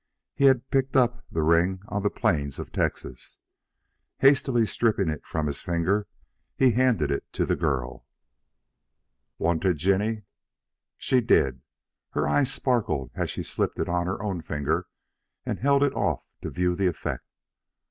He had picked up the ring on the plains in Texas. Hastily stripping it from his finger he handed it to the girl. "Want it, Jinny?" She did. Her eyes sparkled as she slipped it on her own finger and held it off to view the effect.